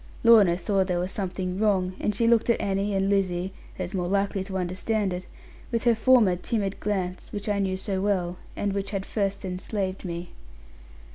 Lorna saw there was something wrong; and she looked at Annie and Lizzie (as more likely to understand it) with her former timid glance; which I knew so well, and which had first enslaved me.